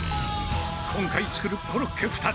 今回作るコロッケ２つ。